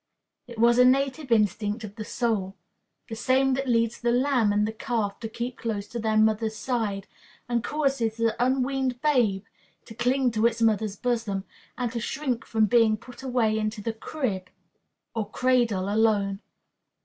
It was a native instinct of the soul the same that leads the lamb and the calf to keep close to their mother's side, and causes the unweaned babe to cling to its mother's bosom, and to shrink from being put away into the crib or cradle alone.